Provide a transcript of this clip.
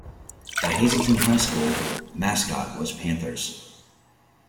The Hazelton High School mascot was Panthers.